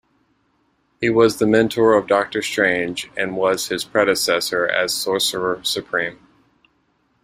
He was the mentor of Doctor Strange and was his predecessor as Sorcerer Supreme.